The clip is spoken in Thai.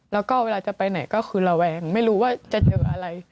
แล้วก็เวลาจะไปไหนก็คือระแวงไม่รู้ว่าจะเจออะไร